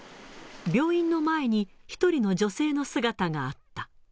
病院の前に一人の女性の姿があった。